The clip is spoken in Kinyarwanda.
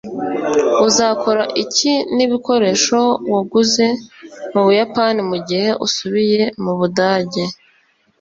Uzakora iki nibikoresho waguze mubuyapani mugihe usubiye mubudage